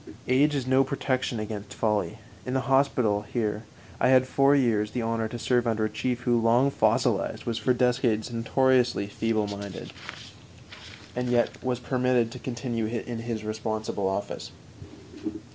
Age is no protection against folly. In the hospital here I had for years the honor to serve under a chief who, long fossilized, was for decades notoriously feebleminded, and was yet permitted to continue in his responsible office.